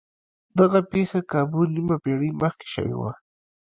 دغه پېښه کابو نيمه پېړۍ مخکې شوې وه.